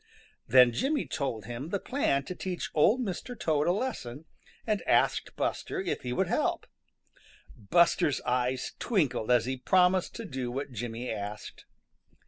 Then Jimmy told him the plan to teach Old Mr. Toad a lesson and asked Buster if he would help. Buster's eyes twinkled as he promised to do what Jimmy asked.